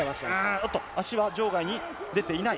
おっと、足が場外に出ていない。